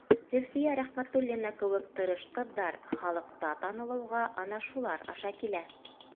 Зөлфиә Рәхмәтуллина кеүек тырыш ҡыҙҙар халыҡта танылыуға ана шулар аша килә.